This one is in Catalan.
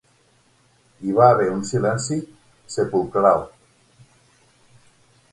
Hi va haver un silenci sepulcral.